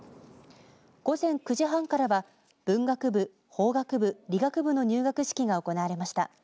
午前９時半からは文学部、法学部、理学部の入学式が行われました。